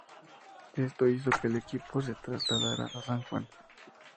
Esto hizo que el equipo se trasladara a San Juan.